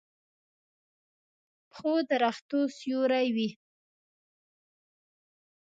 پخو درختو سیوری وي